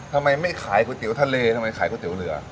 ทำไมไม่ขายก๋วยเตี๋ยวทะเลทำไมขายก๋วเตี๋ยเรือ